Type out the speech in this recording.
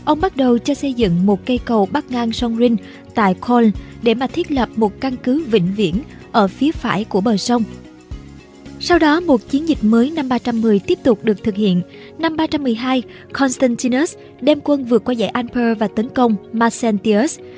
năm ba trăm một mươi hai constantinus đem quân vượt qua dãy alper và tấn công marcentius